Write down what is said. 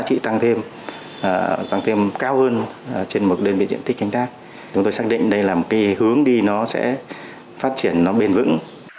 chúng tôi xác định đây là một hướng đi nó sẽ phát triển nó bền vững